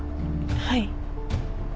はい。